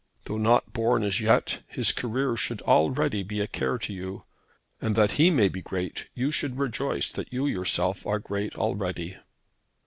Though not born as yet his career should already be a care to you. And that he may be great you should rejoice that you yourself are great already."